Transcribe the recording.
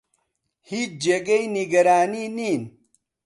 هیچ جێگەی نیگەرانی نین.